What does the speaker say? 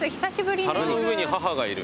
「皿の上に母がいる」